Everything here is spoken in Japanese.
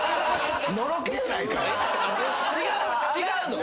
違う！？